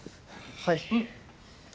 はい。